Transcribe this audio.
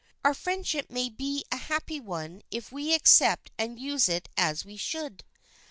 Our friendship may be a happy one if we accept and use it as we should.